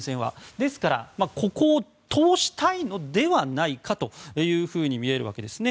ですから、ここを通したいのではないかというふうに見えるわけですね。